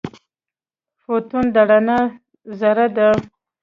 فوتون د رڼا ذره ده.